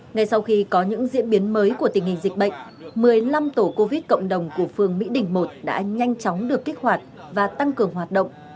ngay sau khi có những diễn biến mới của tình hình dịch bệnh một mươi năm tổ covid cộng đồng của phương mỹ đỉnh một đã nhanh chóng được kích hoạt và tăng cường hoạt động